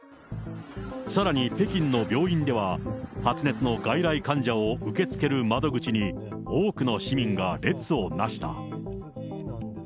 さらに、北京の病院では、発熱の外来患者を受け付ける窓口に多くの市民が列をなした。